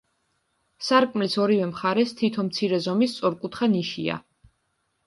სარკმლის ორივე მხარეს თითო მცირე ზომის სწორკუთხა ნიშია.